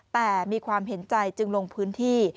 แต่มีความเห็นใจจึงลงพื้นที่